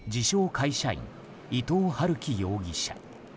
会社員伊藤龍稀容疑者。